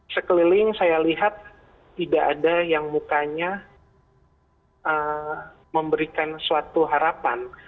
sekeliling saya lihat tidak ada yang mukanya memberikan suatu harapan